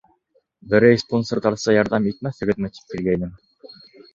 Берәй спонсорҙарса ярҙам итмәҫһегеҙме, тип килгәйнем.